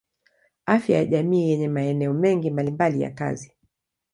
Afya ya jamii yenye maeneo mengi mbalimbali ya kazi.